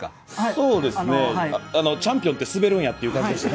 そうですね、チャンピオンってスベるんやという感じでした。